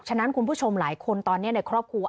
ฉะนั้นคุณผู้ชมหลายคนตอนนี้ในครอบครัว